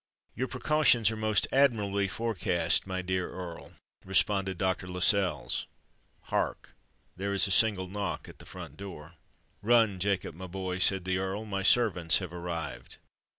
"Your precautions are most admirably forecast, my dear Earl," responded Dr. Lascelles. "Hark! there is a single knock at the front door!" "Run, Jacob, my boy," said the Earl: "my servants have arrived."